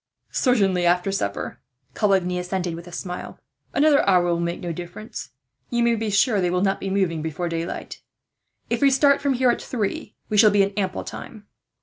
"Certainly after supper," Coligny assented, with a smile. "Another hour will make no difference. You may be sure they will not be moving before daylight. If we start from here at three, we shall be in ample time."